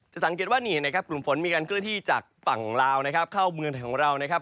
สังเกตว่านี่นะครับกลุ่มฝนมีการเคลื่อนที่จากฝั่งลาวนะครับเข้าเมืองไทยของเรานะครับ